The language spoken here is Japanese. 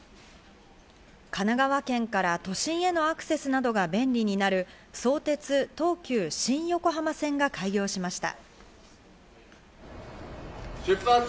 神奈川県から都心へのアクセスなどが便利になる相鉄・東急新横浜線が開業しました。